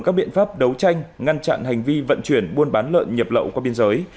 các biện pháp đấu tranh ngăn chặn hành vi vận chuyển buôn bán lợn nhập lậu qua biên giới